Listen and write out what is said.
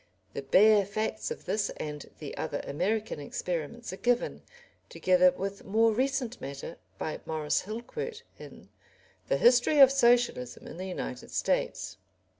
The bare facts of this and the other American experiments are given, together with more recent matter, by Morris Hillquirt, in The History of Socialism in the United States.